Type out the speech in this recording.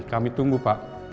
kami tunggu pak